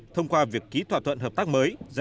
thông qua việc ký thỏa thuận hợp tác mới